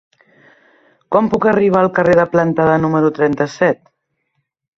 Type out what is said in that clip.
Com puc arribar al carrer de Plantada número trenta-set?